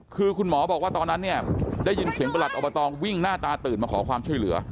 คือคุณหมอบอกว่าตอนนั้นเนี่ยได้ยินเสียงประหลัดอบตวิ่งหน้าตาตื่นมาขอความช่วยเหลือ